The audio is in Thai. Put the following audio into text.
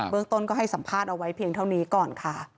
เรื่องต้นก็ให้สัมภาษณ์เอาไว้เพียงเท่านี้ก่อนค่ะ